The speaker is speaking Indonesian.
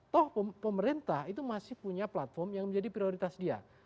toh pemerintah itu masih punya platform yang menjadi prioritas dia